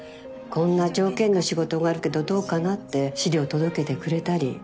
こんな条件の仕事があるけどどうかなって資料届けてくれたり。